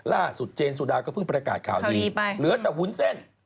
ล่าสุดเจนสุดาก็เพิ่งประกาศข่าวดีหรือว่าแต่หุ้นเส้น